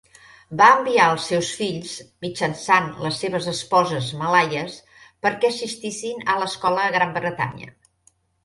Va enviar els seus fills, mitjançant les seves esposes malaies, perquè assistissin a l'escola a Gran Bretanya.